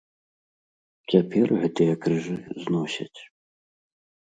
Цяпер гэтыя крыжы зносяць.